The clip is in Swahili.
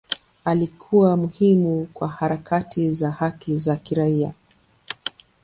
Alikuwa muhimu kwa harakati za haki za kiraia.